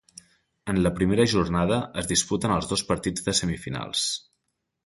En la primera jornada es disputen els dos partits de semifinals.